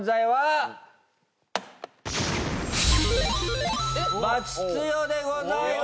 はい。